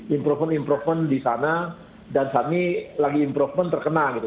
improvement improvement di sana dan saat ini lagi improvement terkena gitu